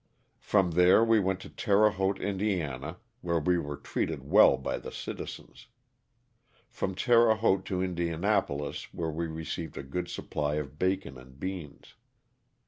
From there we went to Terre Haute, Ind., where we were treated well by the citizens. From Terre Haute to Indianapolis, where we received a good supply of bacon and beans.